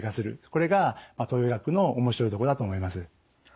これが東洋医学の面白いところだと思います。